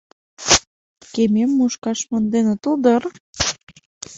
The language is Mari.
— Кемем мушкаш монден отыл дыр?